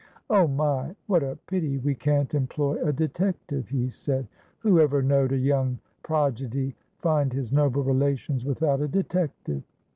"Oh, my! what a pity we can't employ a detective!" he said. "Whoever knowed a young projidy find his noble relations without a detective?